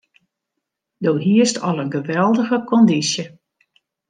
Doe hiest al in geweldige kondysje.